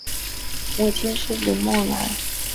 母亲是林慕兰。